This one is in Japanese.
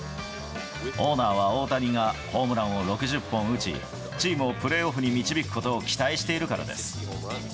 オーナーは、大谷がホームランを６０本打ち、チームをプレーオフに導くことを期待しているからです。